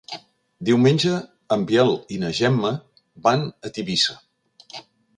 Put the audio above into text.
Diumenge en Biel i na Gemma van a Tivissa.